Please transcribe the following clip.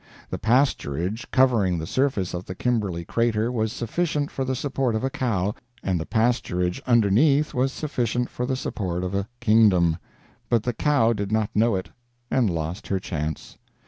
The pasturage covering the surface of the Kimberley crater was sufficient for the support of a cow, and the pasturage underneath was sufficient for the support of a kingdom; but the cow did not know it, and lost her chance.